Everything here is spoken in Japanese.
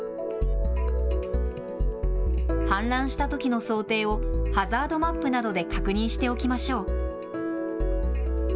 氾濫したときの想定をハザードマップなどで確認しておきましょう。